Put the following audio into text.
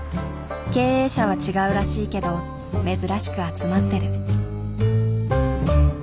経営者は違うらしいけど珍しく集まってる。